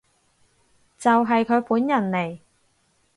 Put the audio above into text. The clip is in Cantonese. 就係佢本人嚟